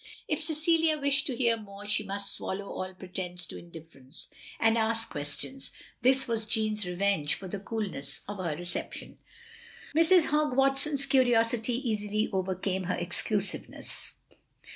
If Cecilia wished to hear more, she must swallow all pretence to indifference, and ask questions. This was Jeanne's revenge for the coobiess of her reception. Mrs. Hogg Watson's curiosity easily overcame her exclusiveness.